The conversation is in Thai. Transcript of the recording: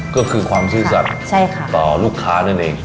ก็คือความซื่อสัตว์ต่อลูกค้านั่นเอง